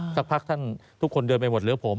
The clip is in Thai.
สักพักท่านทุกคนเดินไปหมดเหลือผม